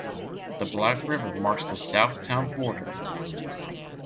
The Black River marks the south town border.